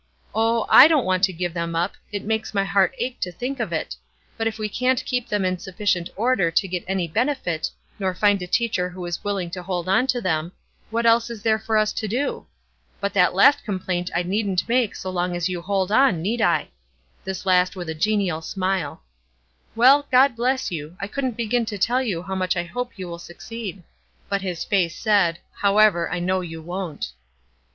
Oh, I don't want to give them up; it makes my heart ache to think of it; but if we can't keep them in sufficient order to get any benefit, nor find a teacher who is willing to hold on to them, what else is there for us to do? But that last complaint I needn't make so long as you 'hold on,' need I?" This last with a genial smile. "Well, God bless you; I couldn't begin to tell you how much I hope you will succeed." But his face said: "However, I know you won't."